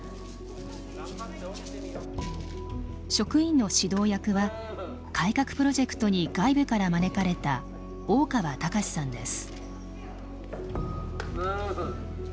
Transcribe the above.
職員の指導役は改革プロジェクトに外部から招かれた大川貴志さんです。